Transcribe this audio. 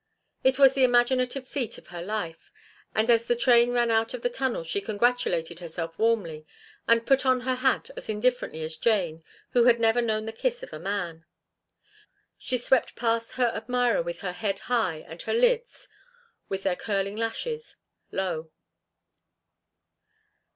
It was the imaginative feat of her life, and as the train ran out of the tunnel she congratulated herself warmly and put on her hat as indifferently as Jane, who had never known the kiss of man. She swept past her admirer with her head high and her lids—with their curling lashes—low.